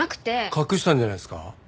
隠したんじゃないですか？